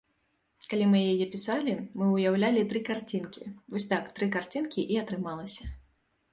Калі мы яе пісалі, мы ўяўлялі тры карцінкі, вось так тры карцінкі і атрымалася.